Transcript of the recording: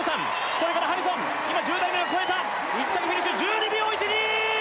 それからハリソン今１０台目を越えた１着フィニッシュ１２秒１２！